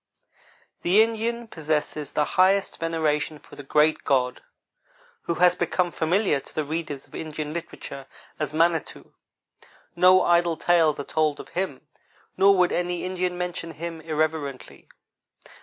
The Indian possesses the highest veneration for the Great God, who has become familiar to the readers of Indian literature as Manitou. No idle tales are told of Him, nor would any Indian mention Him irreverently.